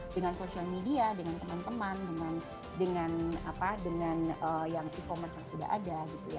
dengan social media dengan teman teman dengan yang e commerce yang sudah ada